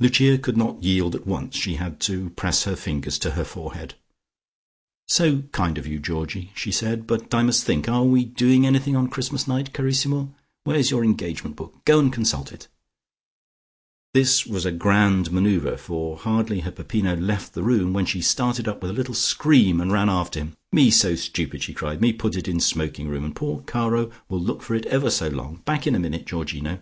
Lucia could not yield at once. She had to press her fingers to her forehead. "So kind of you, Georgie," she said, "but I must think. Are we doing anything on Christmas night, carrissimo? Where's your engagement book? Go and consult it." This was a grand manoeuvre, for hardly had Peppino left the room when she started up with a little scream and ran after him. "Me so stupid," she cried. "Me put it in smoking room, and poor caro will look for it ever so long. Back in minute, Georgino."